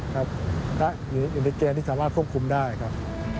ถ้ามีอินเตอร์เกณฑ์ที่สามารถควบคุมได้ครับ